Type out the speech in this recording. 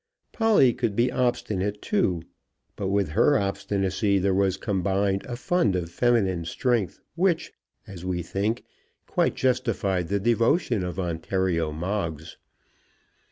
Polly could be obstinate too, but with her obstinacy there was combined a fund of feminine strength which, as we think, quite justified the devotion of Ontario Moggs.